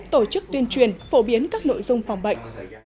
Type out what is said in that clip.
tổ chức tuyên truyền phổ biến các nội dung phòng bệnh